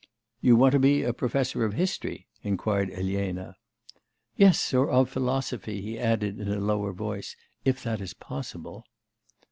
'You want to be a professor of history?' inquired Elena. 'Yes, or of philosophy,' he added, in a lower voice 'if that is possible.